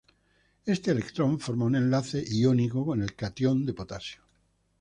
Éste electrón forma un enlace iónico con el catión de potasio.